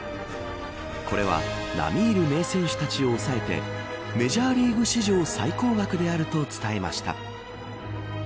これは並み居る名選手たちを押さえてメジャーリーグ史上最高額であると伝えました。